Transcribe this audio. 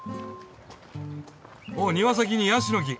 お庭先にヤシの木。